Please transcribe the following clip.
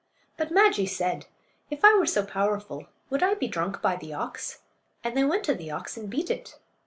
But Maajee said, "If I were so powerful would I be drunk by the ox?" And they went to the ox and beat it.